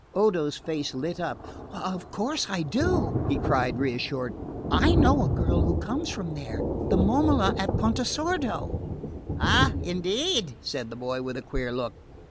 Odo's face lit up. "Of course I do," he cried, reassured. "I know a girl who comes from there the Momola at Pontesordo." "Ah, indeed?" said the boy with a queer look.